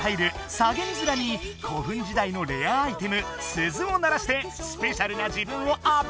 「下げみずら」に古墳時代のレアアイテム鈴を鳴らしてスペシャルな自分をアピール！